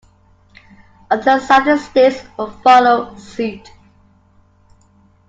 Other Southern states would follow suit.